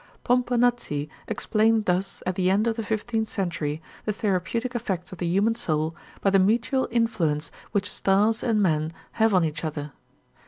Pomponnazi explained thus at the end of the fifteenth century the therapeutic effects of the human soul by the mutual influence which stars and men have on each other.